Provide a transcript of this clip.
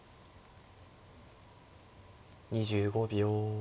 ２５秒。